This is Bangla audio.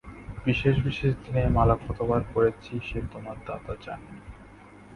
বিশেষ বিশেষ দিনে এ মালা কতবার পরেছি সে তোমার দাদা জানেন।